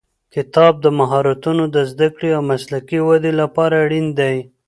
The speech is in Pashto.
کتاب د مهارتونو د زده کړې او مسلکي ودې لپاره اړین دی.